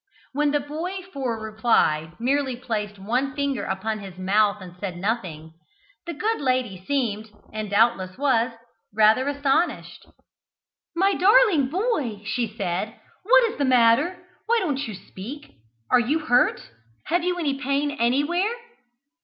When the boy for reply merely placed one finger upon his mouth and said nothing, the good lady seemed, and doubtless was, rather astonished. "My darling boy," she said, "what is the matter? Why don't you speak? Are you hurt? Have you any pain anywhere?"